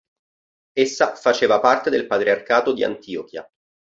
Essa faceva parte del patriarcato di Antiochia.